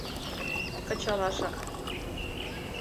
Кычалашак!